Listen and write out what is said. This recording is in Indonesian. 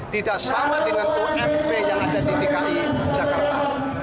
tidak sama dengan ump yang ada di dki jakarta